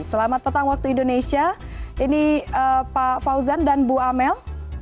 selamat petang waktu indonesia ini pak fauzan dan bu amel